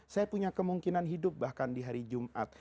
saya mungkin hidup di hari jumat